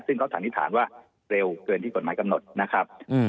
ซึ่งเขาสันนิษฐานว่าเร็วเกินที่กฎหมายกำหนดนะครับ